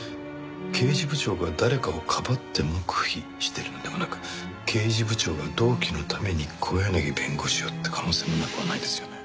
刑事部長が誰かをかばって黙秘してるのではなく刑事部長が同期のために小柳弁護士をって可能性もなくはないですよね。